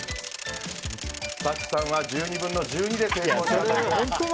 スタッフさんは１２分の１２で成功しました。